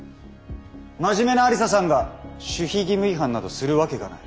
真面目な愛理沙さんが守秘義務違反などするわけがない。